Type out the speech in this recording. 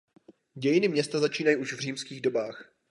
Dějiny města začínají už v římských dobách.